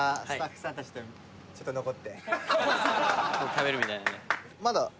食べるみたいなんで。